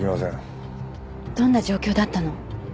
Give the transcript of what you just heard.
どんな状況だったの？